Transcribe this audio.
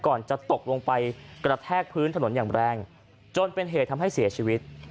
จะตกลงไปกระแทกพื้นถนนอย่างแรงจนเป็นเหตุทำให้เสียชีวิต